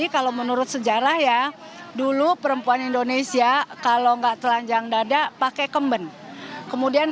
kalau menurut sejarah ya dulu perempuan indonesia kalau enggak telanjang dada pakai kemben kemudian